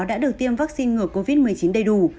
đã được tiêm vaccine ngừa covid một mươi chín đầy đủ